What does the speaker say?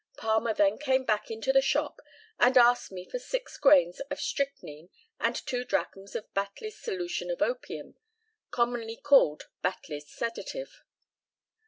Palmer then came back into the shop and asked me for six grains of strychnine and two drachms of Batley's solution of opium (commonly called Batley's sedative).